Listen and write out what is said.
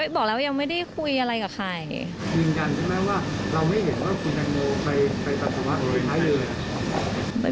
บอกแล้วว่ายังไม่ได้คุยอะไรกับใคร